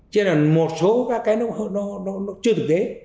chứ là một số các cái nó chưa thực tế